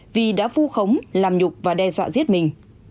vì đã vu khống làm nhục và đe dọa giết mình